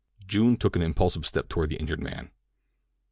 June took an impulsive step toward the injured man.